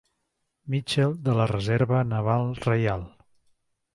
Mitchell de la Reserva Naval Reial.